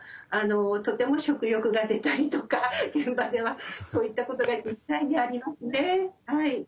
とても食欲が出たりとか現場ではそういったことが実際にありますね。